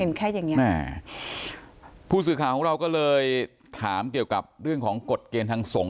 แค่อย่างเงี้แม่ผู้สื่อข่าวของเราก็เลยถามเกี่ยวกับเรื่องของกฎเกณฑ์ทางสงฆ